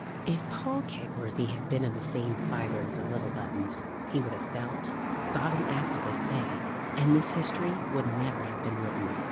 If Paul Kegworthy had been of the same fibre as the little Buttons, he would have felt, thought and acted as they, and this history would never have been written.